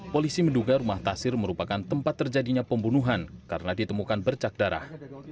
polisi menduga rumah tasir merupakan tempat terjadinya pembunuhan karena ditemukan bercak darah